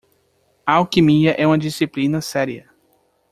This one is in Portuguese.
A alquimia é uma disciplina séria.